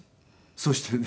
そしてね。